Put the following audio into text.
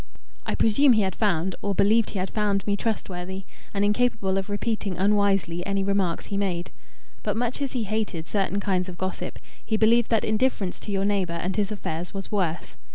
I presume he had found, or believed he had found me trustworthy, and incapable of repeating unwisely any remarks he made. But much as he hated certain kinds of gossip, he believed that indifference to your neighbour and his affairs was worse.